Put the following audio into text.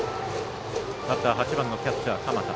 バッター８番のキャッチャー鎌田。